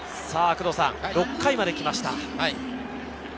６回まで来ました。